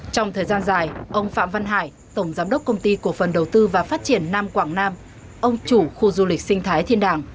trong thời gian dài ông phạm văn hải tổng giám đốc công ty cổ phần đầu tư và phát triển nam quảng nam ông chủ khu du lịch sinh thái thiên đàng